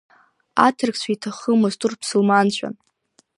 Аҭырқәцәа иҭахымызт, урҭ ԥсылманцәан.